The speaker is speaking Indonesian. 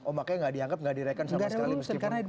oh makanya nggak dianggap nggak direkan sama sekali meskipun